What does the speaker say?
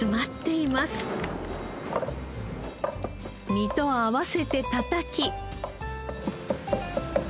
身と合わせてたたき。